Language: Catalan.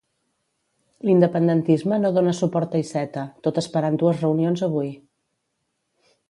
L'independentisme no dona suport a Iceta, tot esperant dues reunions avui.